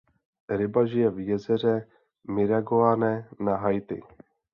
Ryba žije v jezeře Miragoane na Haiti.